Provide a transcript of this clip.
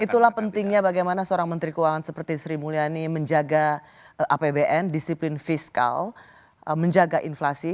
itulah pentingnya bagaimana seorang menteri keuangan seperti sri mulyani menjaga apbn disiplin fiskal menjaga inflasi